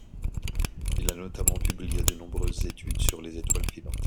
Il a notamment publié de nombreuses études sur les étoiles filantes.